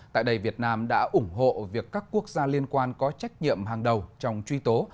tại đây việt nam đã ủng hộ việc các quốc gia liên quan có trách nhiệm hàng đầu trong truy tố